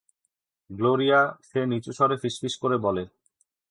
Gloria, সে নিচু স্বরে ফিসফিস করে বলে।